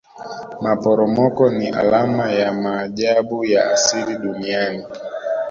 maporomoko ni alama ya maajabu ya asili duniani